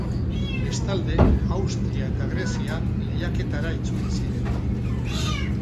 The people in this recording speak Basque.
Bestalde, Austria eta Grezia lehiaketara itzuli ziren.